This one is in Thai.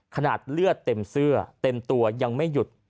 เลือดเต็มเสื้อเต็มตัวยังไม่หยุด